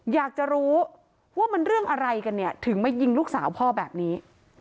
อยากจะรู้ว่ามันเรื่องอะไรกันเนี่ยถึงมายิงลูกสาวพ่อแบบนี้